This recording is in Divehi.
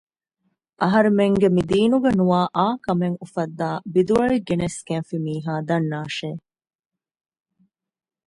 އަހަރެމެންގެ މި ދީނުގައި ނުވާ އާ ކަމެއް އުފައްދައި ބިދުޢައެއް ގެނެސްގެންފި މީހާ ދަންނާށޭ